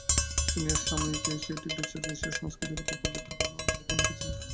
তিনি এর সাময়িকী এশিয়াটিক রিসার্চে এশিয়ার সংস্কৃতির উপর পাণ্ডিত্যপূর্ণ নিবন্ধ লিখেছেন।